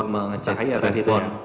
untuk mengecil respon